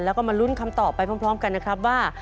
แล้วก็มาลุ้นคำตอบไปพร้อมกันนะครับว่า